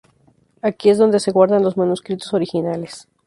Aquí es donde se guardan los manuscritos originales.